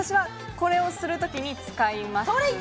これをするときに使います。